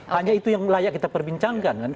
hanya itu yang layak kita perbincangkan